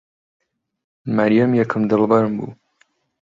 مەریەم یەکەم دڵبەرم بوو.